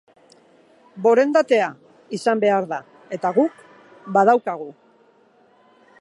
Borondatea izan behar da eta guk badaukagu.